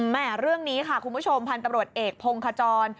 แม่เรื่องนี้ค่ะคุณผู้ชมพันธุ์ตำรวจเอกพงขจร